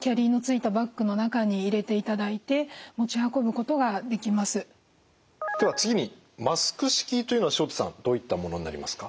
特にこちらに示しますようなでは次にマスク式というのは塩田さんどういったものになりますか？